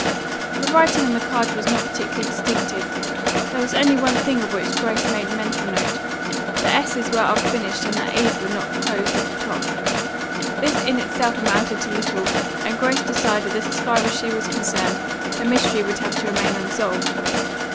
The writing on the card was not particularly distinctive. There was only one thing of which Grace made mental note. The s's were unfinished and the a's were not closed at the top. This in itself amounted to little, and Grace decided that as far as she was concerned the mystery would have to remain unsolved.